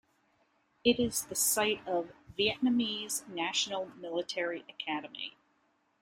It is the site of Vietnamese National Military Academy.